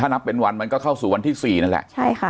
นับเป็นวันมันก็เข้าสู่วันที่๔นั่นแหละใช่ค่ะ